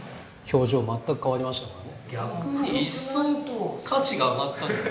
逆に一層と価値が上がった。